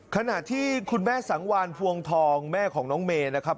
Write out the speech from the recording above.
ขณะที่คุณแม่สังวานภวงทองแม่ของน้องเมย์นะครับ